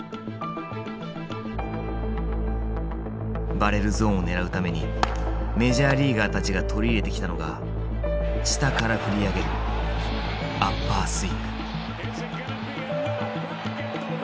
バレルゾーンを狙うためにメジャーリーガーたちが取り入れてきたのが下から振り上げるアッパースイング。